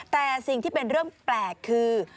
แต่สิ่งที่เป็นเรื่องแปลกคือ